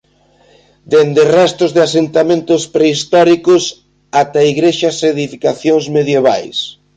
Dende restos de asentamentos prehistóricos ata igrexas e edificacións medievais.